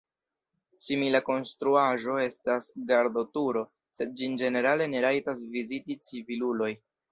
Simila konstruaĵo estas gardoturo, sed ĝin ĝenerale ne rajtas viziti civiluloj.